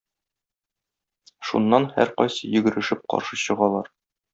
Шуннан һәркайсы йөгерешеп каршы чыгалар.